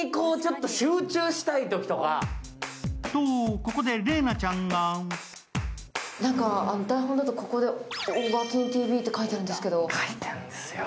ここで麗菜ちゃんが台本だと、ここで「オガキンＴＶ」と書いてあるんですけど。